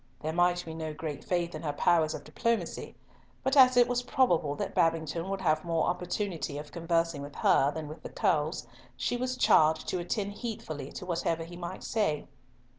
There might be no great faith in her powers of diplomacy, but as it was probable that Babington would have more opportunity of conversing with her than with the Curlls, she was charged to attend heedfully to whatever he might say.